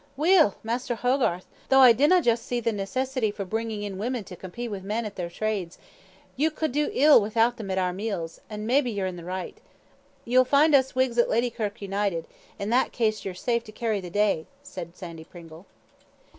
"Weel, Maister Hogarth, though I dinna just see the needcessity for bringing in women to compete wi' men at their trades, we could do ill without them at our mills, an' maybe ye're in the richt. Ye'll find us Whigs at Ladykirk united, and in that case ye're safe to carry the day," said Sandy Pringle.